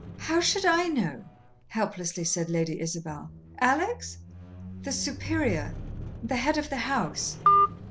"How should I know?" helplessly said Lady Isabel. "Alex?" "The Superior the Head of the house."